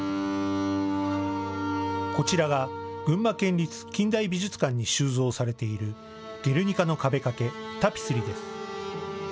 こちらが群馬県立近代美術館に収蔵されているゲルニカの壁掛け・タピスリです。